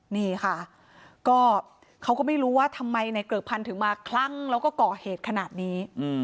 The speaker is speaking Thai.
นี่ค่ะก็เขาก็ไม่รู้ว่าทำไมในเกริกพันธ์ถึงมาคลั่งแล้วก็ก่อเหตุขนาดนี้